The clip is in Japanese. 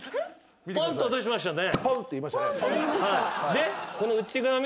ポンッと音しましたよね。